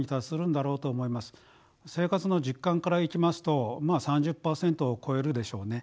生活の実感からいきますとまあ３０％を超えるでしょうね。